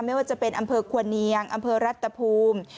ไม่ว่าจะเป็นอำเภอควรเนียงอำเภอรัตภูมิ